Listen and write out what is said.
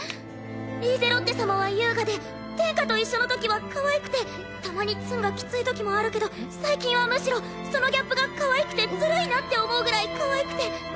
リーゼロッテ様は優雅で殿下と一緒のときはかわいくてたまにツンがきついときもあるけど最近はむしろそのギャップがかわいくてずるいなって思うぐらいかわいくて。